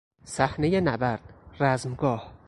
صحنهی نبرد، رزمگاه